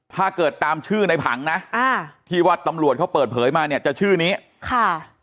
ถ้าเกิดตามชื่อในผังนะอ่าที่ว่าตำรวจเขาเปิดเผยมาเนี่ยจะชื่อนี้ค่ะ